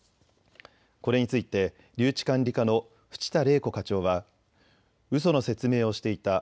これについて留置管理課の渕田れい子課長はうその説明をしていた。